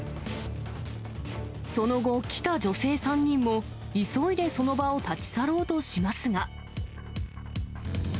その後、来た女性３人も、急いでその場を立ち去ろうとしますが。